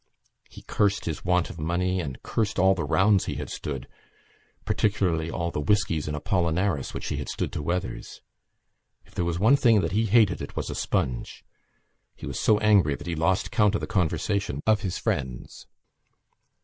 He cursed his want of money and cursed all the rounds he had stood, particularly all the whiskies and Apollinaris which he had stood to Weathers. If there was one thing that he hated it was a sponge. He was so angry that he lost count of the conversation of his friends.